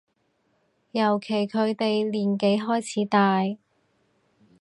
尤其佢哋年紀開始大